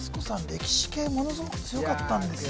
歴史系ものすごく強かったんですよ